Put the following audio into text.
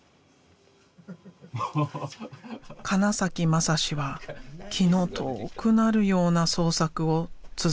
金崎将司は気の遠くなるような創作を続けている。